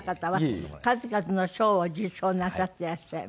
数々の賞を受賞なさっていらっしゃいます。